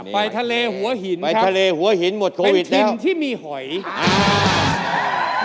ไปทะเลหัวหินครับเป็นถิ่นที่มีหอยไปทะเลหัวหินหมดโควิดแล้ว